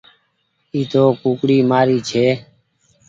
اي تو ڪوڪڙي مآري ڇي۔